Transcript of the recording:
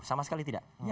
sama sekali tidak